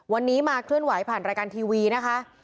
วันนี้มาเคลื่อนไหวผ่านรายการทีวีนะคะ